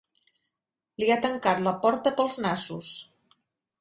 Li ha tancat la porta pels nassos.